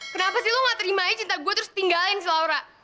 kenapa sih lo gak terima aja cinta gue terus tinggalin selaura